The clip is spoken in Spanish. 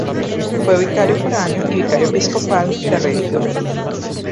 Fue Vicario foráneo y Vicario Episcopal de Religiosos.